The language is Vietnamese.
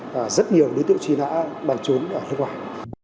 và rất nhiều đối tượng truy nã bàn trốn ở nước ngoài